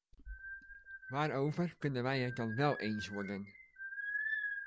Waarover kunnen wij het dan wel eens worden?